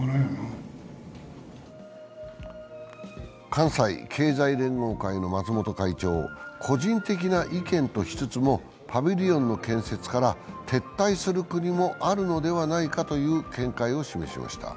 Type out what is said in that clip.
関西経済連合会の松本会長、個人的な意見としつつもパビリオンの建設から撤退する国もあるのではないかという見解を示しました。